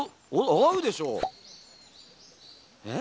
会うでしょ！え？